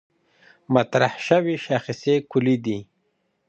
مطرح شوې شاخصې کُلي دي.